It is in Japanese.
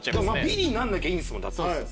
ビリになんなきゃいいんですもん。